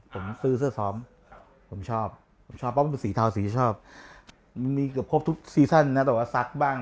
ผมซื้อเสื้อซ้อมผมชอบผมชอบเพราะมันเป็นสีเทาสีชอบมันมีเกือบครบทุกซีซั่นนะแต่ว่าซักบ้าง